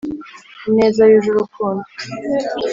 ineza yuje urukundo.